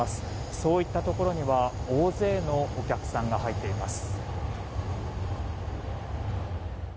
そういったところには大勢のお客さんが入っています。